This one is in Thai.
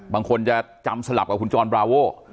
บางคนจะจำสลับกับคุณจรบราโว่